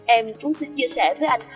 em cũng xin chia sẻ với anh